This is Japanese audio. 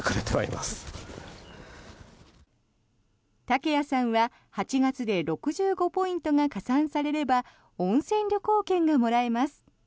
竹屋さんは８月で６５ポイントが加算されれば温泉旅行券がもらえます。